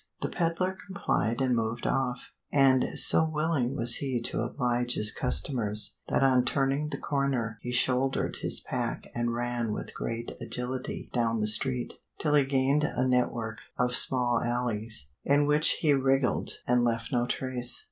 The peddler complied and moved off, and so willing was he to oblige his customers that on turning the corner he shouldered his pack and ran with great agility down the street, till he gained a network of small alleys in which he wriggled and left no trace.